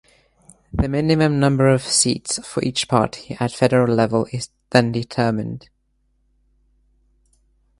The minimum number of seats for each party at federal level is then determined.